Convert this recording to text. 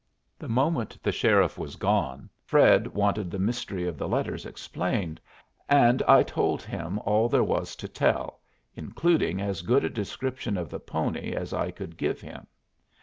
The moment the sheriff was gone, Fred wanted the mystery of the letters explained, and I told him all there was to tell, including as good a description of the pony as I could give him.